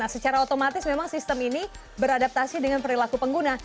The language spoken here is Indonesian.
secara otomatis memang sistem ini beradaptasi dengan perilaku pengguna